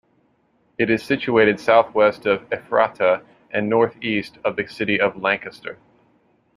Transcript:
It is situated southwest of Ephrata and northeast of the city of Lancaster.